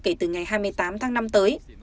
kể từ ngày hai mươi tám tháng năm tới